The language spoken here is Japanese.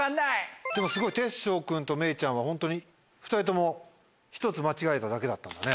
でもすごいてっしょう君とめいちゃんはホントに２人とも１つ間違えただけだったんだね。